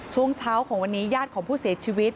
ช่วงเช้าของวันนี้ญาติของผู้เสียชีวิต